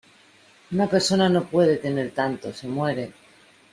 una persona no puede tener tanto, se muere.